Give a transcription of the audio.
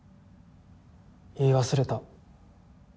言い忘れた。